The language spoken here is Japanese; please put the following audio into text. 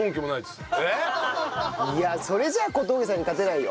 いやそれじゃあ小峠さんに勝てないよ。